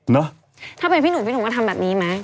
เนอะถ้าเป็นพี่หนุ่มพี่หนุ่มก็ทำแบบนี้ไหม